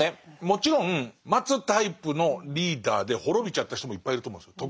もちろん待つタイプのリーダーで滅びちゃった人もいっぱいいると思うんですよ。